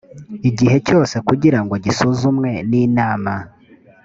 igihe cyose kugira ngo gisuzumwe n’inama